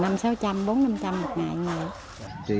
bốn năm trăm linh một ngày